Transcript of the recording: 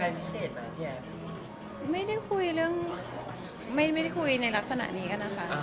แล้วเรามีเชื่อใครพิเศษั้ง